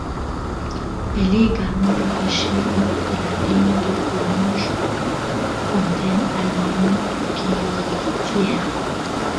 Elle est également l'origine de la ligne de Collonges - Fontaines à Lyon-Guillotière.